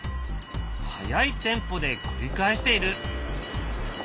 速いテンポで繰り返している。